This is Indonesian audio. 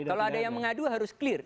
kalau ada yang mengadu harus clear